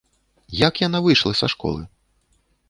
Як яна выйшла са школы?